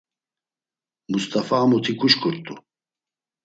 Must̆afa a muti kuşǩurt̆u.